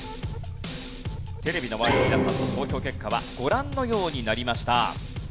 テレビの前の皆さんの投票結果はご覧のようになりました。